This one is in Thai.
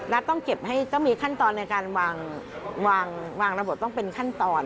ต้องเก็บให้ต้องมีขั้นตอนในการวางระบบต้องเป็นขั้นตอน